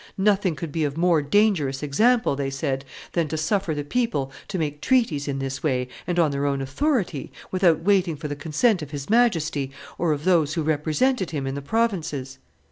'Nothing could be of more dangerous example,' they said, 'than to suffer the people to make treaties in this way and on their own authority, without waiting for the consent of his Majesty or of those who represented him in the provinces.